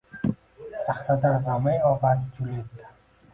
Sahnada Romeo va Juletta